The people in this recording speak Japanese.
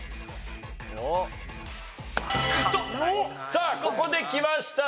さあここできました。